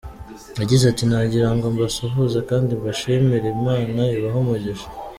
Yagize ati”Nagira ngo mbasuhuze kandi mbashimire, Imana ibahe umugisha.